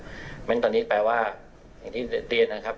เพราะฉะนั้นตอนนี้แปลว่าอย่างที่เรียนนะครับ